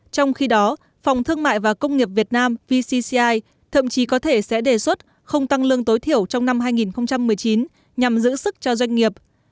trong khi đó phòng thương mại và công nghiệp việt nam vcci thậm chí có thể sẽ đề xuất không tăng lương tối thiểu trong năm hai nghìn một mươi chín nhằm giữ sức cho doanh nghiệp